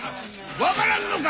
分からんのか！